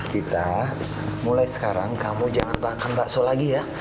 kita mulai sekarang kamu jangan makan bakso lagi ya